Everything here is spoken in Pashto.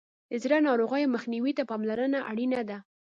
د زړه ناروغیو مخنیوي ته پاملرنه اړینه ده.